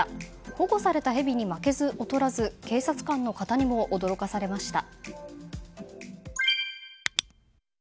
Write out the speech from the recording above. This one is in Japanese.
保護されたヘビに負けず劣らず警察官の方にも驚かされました。